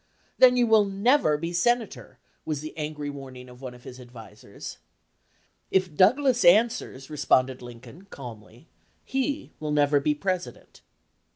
"Then you will never be sen ator!" was the angry warning of one of his ad visers. "If Douglas answers," responded Lin coln, calmly, "he will never be President."